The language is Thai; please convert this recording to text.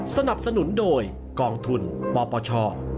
สนับสนุนโดยกองทุนปปช